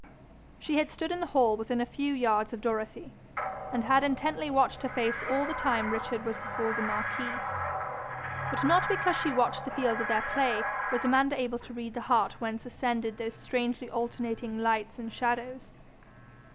She had stood in the hall within a few yards of Dorothy, and had intently watched her face all the time Richard was before the marquis. But not because she watched the field of their play was Amanda able to read the heart whence ascended those strangely alternating lights and shadows.